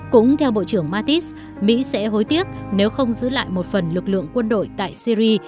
cũng theo bộ trưởng mattis mỹ sẽ hối tiếc nếu không giữ lại một phần lực lượng quân đội tại syri